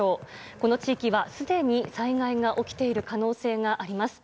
この地域はすでに災害が起きている可能性があります。